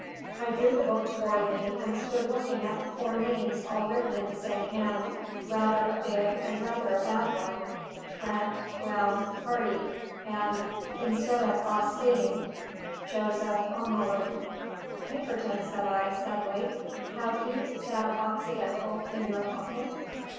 I drew the book toward me, and stood looking at the four names all written in the same hand, rather a big and rather a bad one: Trent, Brown, Hardy, and (instead of Ah Sing) Jos. Amalu. "Pinkerton," said I, suddenly, "have you that Occidental in your pocket?"